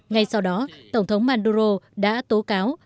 ngay sau đó tổng thống manduro đã tố cáo